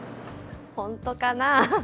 本当かな。